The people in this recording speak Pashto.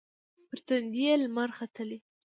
پر تندې یې لمر ختلي